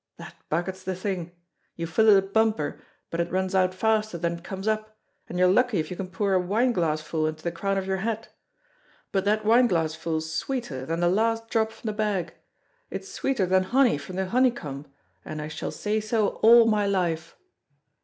That bucket's the thing! You fill it a bumper, but it runs out faster than it comes up, and you're lucky if you can pour a wineglassful into the crown of your hat; but that wineglassful's sweeter than the last drop from the bag; it's sweeter than honey from the honeycomb, and I shall say so all my life!"